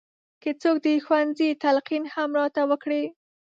که څوک د ښوونځي تلقین هم راته وکړي.